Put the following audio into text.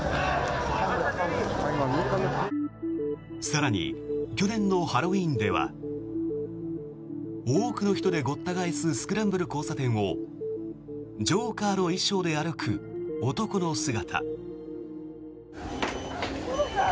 更に去年のハロウィーンでは多くの人でごった返すスクランブル交差点をジョーカーの衣装で歩く男の姿。